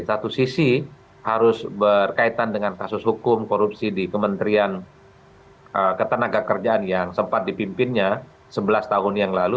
satu sisi harus berkaitan dengan kasus hukum korupsi di kementerian ketenaga kerjaan yang sempat dipimpinnya sebelas tahun yang lalu